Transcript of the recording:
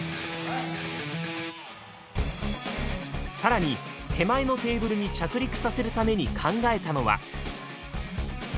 更に手前のテーブルに着陸させるために考えたのは。